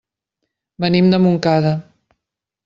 Venim de Montcada.